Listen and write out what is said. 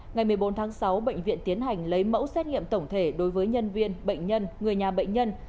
ngày một mươi bốn tháng sáu bệnh viện tiến hành lấy mẫu xét nghiệm tổng thể đối với nhân viên bệnh nhân người nhà bệnh nhân